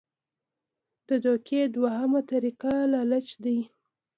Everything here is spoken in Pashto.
د دوکې دویمه طريقه لالچ دے -